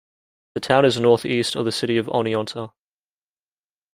The town is northeast of the City of Oneonta.